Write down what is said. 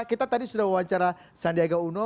kita tadi sudah wawancara sandiaga uno